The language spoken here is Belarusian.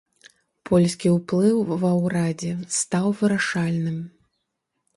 Польскі ўплыў ва ўрадзе стаў вырашальным.